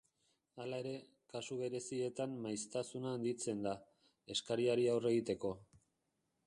Hala ere, kasu berezietan maiztasuna handitzen da, eskariari aurre egiteko.